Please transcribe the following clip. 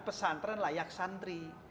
pesan tren layak santri